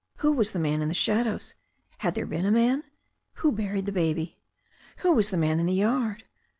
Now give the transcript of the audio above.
Who was the man in the shadows — had there been a man? Who buried her baby? Who was the man in the yard?